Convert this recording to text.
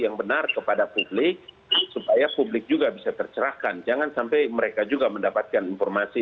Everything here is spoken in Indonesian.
yang benar kepada publik supaya publik juga bisa tercerahkan jangan sampai mereka juga mendapatkan informasi